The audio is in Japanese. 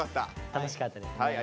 楽しかったですね。